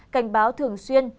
cảnh báo thường xuyên